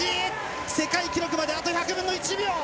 世界記録まであと１００分の１秒。